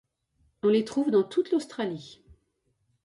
On les trouve dans toute l'Australie.